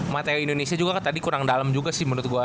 mata indonesia juga kan tadi kurang dalam juga sih menurut gue